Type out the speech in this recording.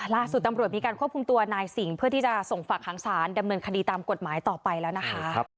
ล่าสุดตำรวจมีการควบคุมตัวนายสิงห์เพื่อที่จะส่งฝากหางศาลดำเนินคดีตามกฎหมายต่อไปแล้วนะคะ